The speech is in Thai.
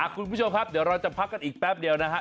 คุณผู้ชมครับเดี๋ยวเราจะพักกันอีกแป๊บเดียวนะฮะ